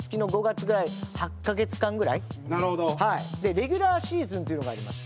レギュラーシーズンというのがありまして。